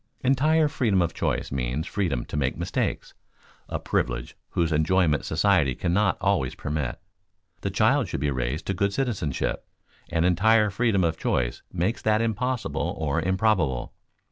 Entire freedom of choice means freedom to make mistakes, a privilege whose enjoyment society cannot always permit. The child should be raised to good citizenship, and entire freedom of choice makes that impossible or improbable.